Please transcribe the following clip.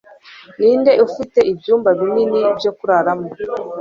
Ninde Ufite Ibyumba binini byo kuraramo